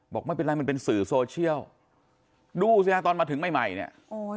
บอกไม่เป็นไรมันเป็นสื่อโซเชียลดูสิฮะตอนมาถึงใหม่ใหม่เนี่ยโอ้ย